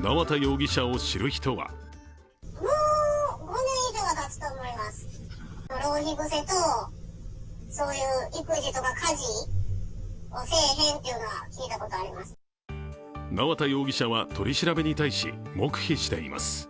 縄田容疑者を知る人は縄田容疑者は取り調べに対し黙秘しています。